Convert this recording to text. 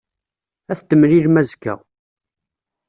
Ad t-temlilem azekka.